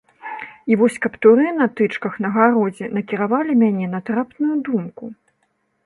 І вось каптуры на тычках на гародзе накіравалі мяне на трапную думку.